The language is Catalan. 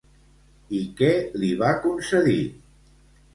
I què li va concedir?